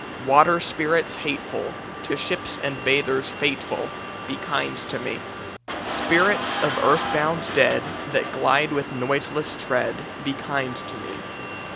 "Water spirits hateful, To ships and bathers fateful, Be kind to me. "Spirits of earthbound dead That glide with noiseless tread, Be kind to me.